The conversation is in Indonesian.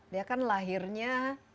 dia kan lahirnya